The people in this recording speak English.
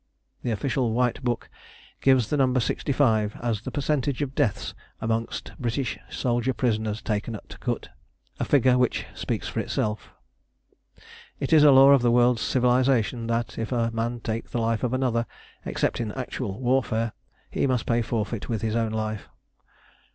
The official White Book gives the number 65 as the percentage of deaths amongst British soldier prisoners taken at Kut, a figure which speaks for itself. It is a law of the world's civilisation that if a man take the life of another, except in actual warfare, he must pay forfeit with his own life.